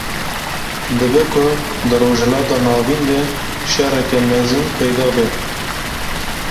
Dibe ku di rojhilata navîn de şereke mezin peyda be